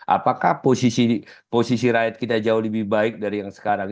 apakah posisi rakyat kita jauh lebih baik dari yang sekarang